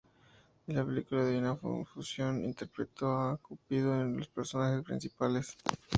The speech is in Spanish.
En la película "Divina confusión", interpretó a Cupido, uno de los personajes principales.